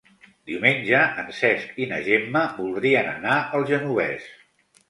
Diumenge en Cesc i na Gemma voldrien anar al Genovés.